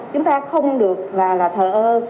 chúng ta không được là thờ ơ